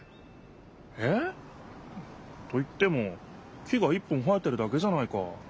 えっ？と言っても木が１本生えてるだけじゃないか。